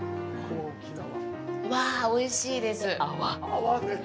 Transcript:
わあ、おいしいです。